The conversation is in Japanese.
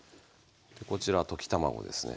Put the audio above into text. こちら溶き卵ですね。